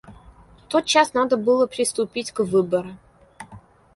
Тотчас надо было приступить к выборам.